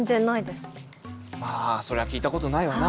そりゃ聞いたことないよな。